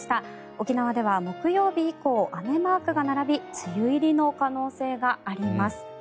沖縄では木曜日以降雨マークが並び梅雨入りの可能性があります。